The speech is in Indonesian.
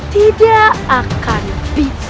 tidak akan berhasil